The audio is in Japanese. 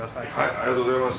ありがとうございます。